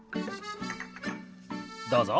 どうぞ。